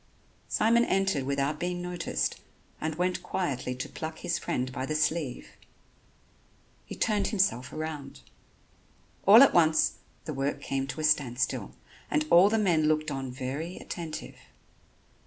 Simon entered without being noticed and went quietly to pluck his friend by the sleeve. He turned himself round. All at once the work came to a standstill and all the men looked on very attentive.